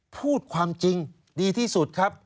พูดความจริงดีที่สุดครับ